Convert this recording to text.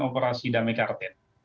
operasi damai karetan